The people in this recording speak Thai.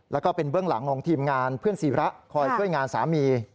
แล้วก็เป็นเบื้องหลังของทีมงานเพื่อนศิระคอยช่วยงานสามี